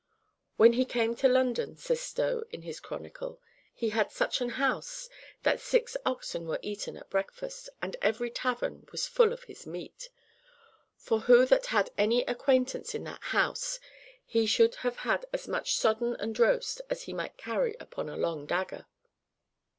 "When he came to London," says Stowe in his "Chronicle," "he held such an house that six oxen were eaten at a breakfast, and every tavern was full of his meat; for who that had any acquaintance in that house he should have had as much sodden and roast as he might carry upon a long dagger."